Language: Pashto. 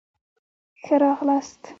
ښه را غلاست